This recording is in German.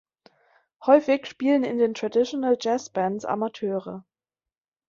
Häufig spielen in den Traditional Jazz Bands Amateure.